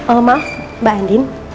oh maaf mbak andin